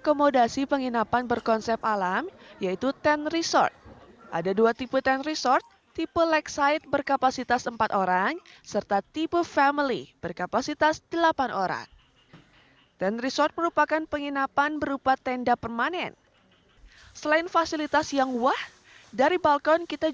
kisah cinta yang menegurkan kita